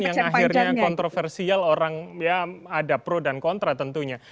yang akhirnya kontroversial orang ya ada pro dan kontra tentunya